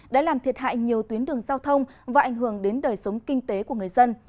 đã làm thiệt hại nhiều tuyến đường giao thông và ảnh hưởng đến đời sống kinh tế của người dân